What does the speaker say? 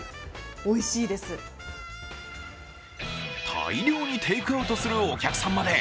大量にテイクアウトするお客さんまで。